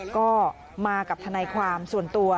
ก็มากับทนายความส่วนตัว